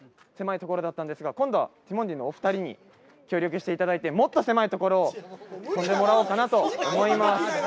狭いところだったんですが今度は、ティモンディのお二人に協力していただいてもっと狭いところを飛んでもらおうかなと思います。